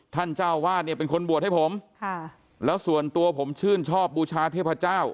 ท่านเจ้าวาดเนี่ยเป็นคนบวชให้ผมค่ะแล้วส่วนตัวผมชื่นชอบบูชาเทพเจ้า